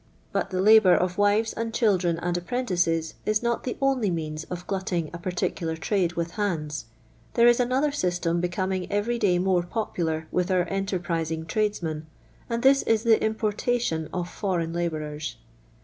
But the labour of wives, and children, and apprentices, is not the only means of glutting a particular trade with hands. There is another system becoming every day more popular with our enterprising tradesmen, and this is the importation of foreign labourers.